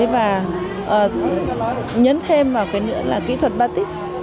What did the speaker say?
và nhấn thêm vào cái nữa là kỹ thuật batic